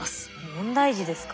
問題児ですか？